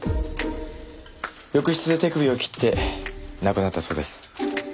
浴室で手首を切って亡くなったそうです。